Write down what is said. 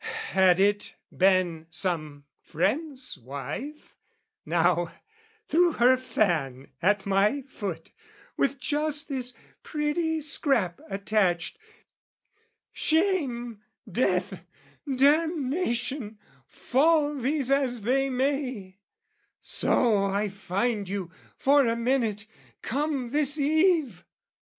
Had it been some friend's wife, now, threw her fan At my foot, with just this pretty scrap attached, "Shame, death, damnation fall these as they may, "So I find you, for a minute! Come this eve!"